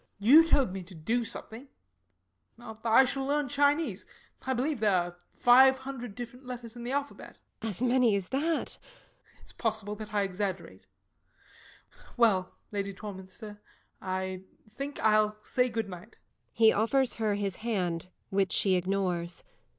You told me to do something. I shall learn Chinese. I believe there are five hundred letters in the alphabet. LADY TORMINSTER. As many as that! SIR GEOFFREY. It is possible that I exaggerate. Well, Lady Torminster, I think I'll say good night. [_He offers his hand, which she ignores.